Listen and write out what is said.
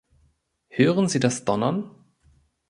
Hören Sie das Donnern?